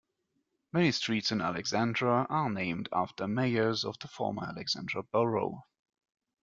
Many streets in Alexandra are named after mayors of the former Alexandra Borough.